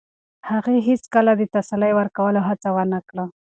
هغې هیڅکله د تسلي ورکولو هڅه ونه کړه.